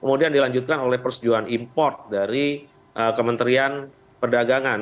kemudian dilanjutkan oleh persetujuan import dari kementerian perdagangan